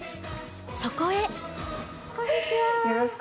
そこへ。